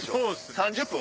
３０分？